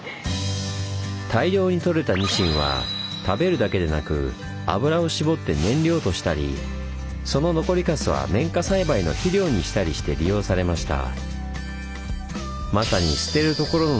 大量にとれたニシンは食べるだけでなくあぶらを搾って燃料としたりその残りカスは綿花栽培の肥料にしたりして利用されました。